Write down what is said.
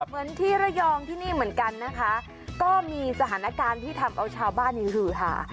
เหมือนที่ระยองที่นี่เหมือนกันนะคะก็มีสถานการณ์ที่ทำเอาชาวบ้านหือหา